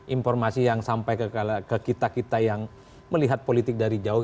informasi yang sampai ke kita kita yang melihat politik dari jauh